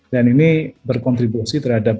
dan ini berkontribusi terhadap